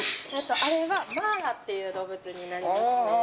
あれはマーラっていう動物になりますね。